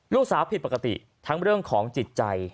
ลูกสาวผิดปกติทั้งเรื่องของจิตใจ